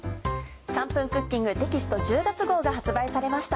『３分クッキング』テキスト１０月号が発売されました。